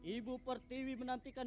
ibu pertiwi menantikan